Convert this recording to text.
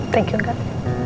thank you kak